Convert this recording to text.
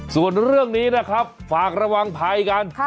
ส่วนเรื่องนี้นะครับฝากระวังภัยกัน